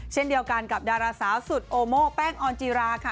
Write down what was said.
เช่นเดียวกันกับดาราสาวสุดโอโม่แป้งออนจีราค่ะ